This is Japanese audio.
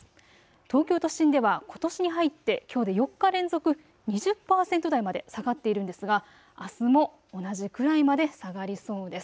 東京都心ではことしに入ってきょうで４日連続、２０％台まで下がっているんですが、あすも同じくらいまで下がりそうです。